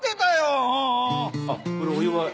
あっこれお祝い。